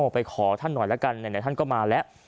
ไปขอท่านหน่อยละกันไหนท่านก็มาแล้ว